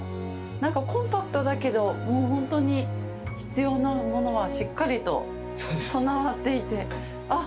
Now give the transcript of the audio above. なんかコンパクトだけど、もう本当に、必要なものはしっかりと備わっていて。